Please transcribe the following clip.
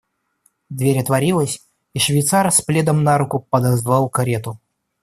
Дверь отворилась, и швейцар с пледом на руку подозвал карету.